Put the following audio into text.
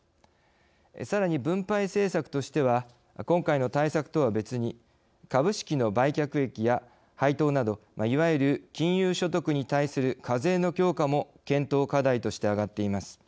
さらに分配政策としては今回の対策とは別に株式の売却益や配当などいわゆる金融所得に対する課税の強化も検討課題として上がっています。